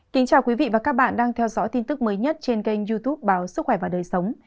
kính chào quý vị và các bạn đang theo dõi tin tức mới nhất trên kênh youtube báo sức khỏe và đời sống